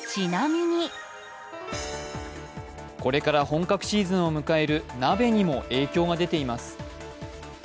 これから本格シーズンを迎える鍋にも影響が出ています。